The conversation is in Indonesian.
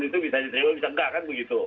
itu bisa diterima bisa enggak kan begitu